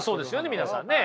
皆さんね。